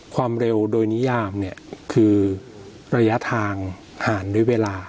ความเร็วโดยนิยามเนี่ยคือระยะทางผ่านด้วยเวลา